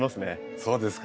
そうですか。